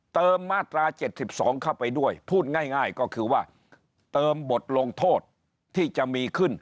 มาตรา๗๒เข้าไปด้วยพูดง่ายก็คือว่าเติมบทลงโทษที่จะมีขึ้น